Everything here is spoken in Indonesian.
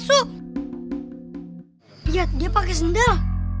lihat dia pakai sendal